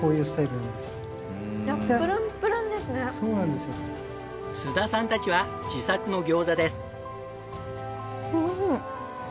水餃子を須田さんたちは自作の餃子です。